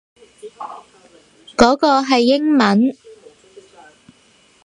嗰個係英文